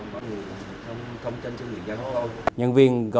không chênh cho người dân đâu